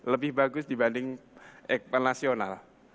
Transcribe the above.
lebih bagus dibanding ekonomi nasional